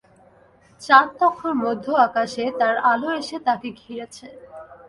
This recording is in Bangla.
চাঁদ তখন মধ্য-আকাশে, তার আলো এসে তাকে ঘিরেছে।